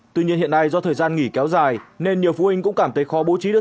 tuy nhiên hiện nay do thời gian nghỉ kéo dài nên nhiều phụ huynh cũng cảm thấy khó bố trí được